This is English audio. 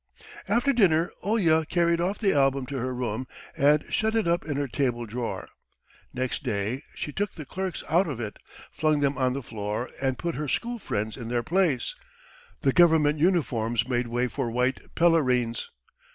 After dinner Olya carried off the album to her room and shut it up in her table drawer. Next day she took the clerks out of it, flung them on the floor, and put her school friends in their place. The government uniforms made way for white pelerines.